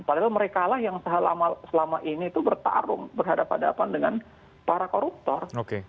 padahal mereka yang selama ini bertarung berhadapan dengan para koruptor